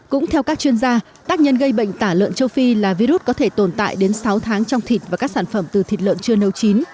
cũng theo các chuyên gia tác nhân gây bệnh tả lợn châu phi là virus có thể tồn tại đến sáu tháng trong thịt và các sản phẩm từ thịt lợn chưa nấu chín